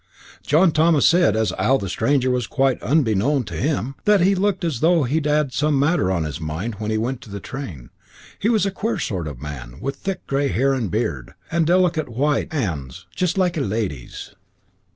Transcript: John Thomas said as 'ow the stranger was quite unbeknown to him, and that he looked as though he 'ad some matter on his mind when he went to the train; he was a queer sort of a man, with thick grey hair and beard, and delicate white 'ands, jist like a lady's.